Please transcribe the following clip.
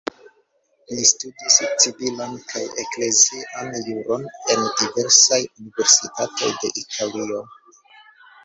Li studis civilan kaj eklezian juron en diversaj universitatoj de Italio.